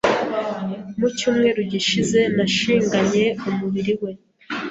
Mu cyumweru gishize yashinganye umubiri we